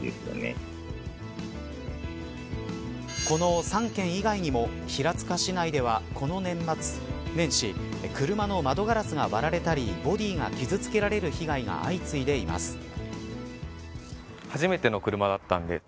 この３県以外にも平塚市内ではこの年末年始車の窓ガラスが割られたりボディーが傷付けられる被害が相次いでいます。